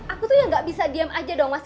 aku tuh yang gak bisa diem aja dong mas